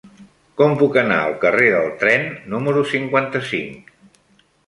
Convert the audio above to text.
Com puc anar al carrer del Tren número cinquanta-cinc?